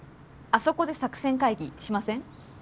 あそこで作戦会議しません？